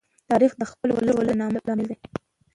تاریخ د خپل ولس د نامت لامل دی.